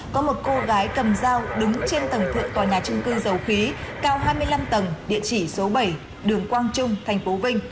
có một cô gái cầm dao đứng trên tầng thượng tòa nhà trung cư dầu khí cao hai mươi năm tầng địa chỉ số bảy đường quang trung thành phố vinh